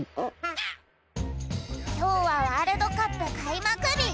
きょうはワールドカップ開幕日。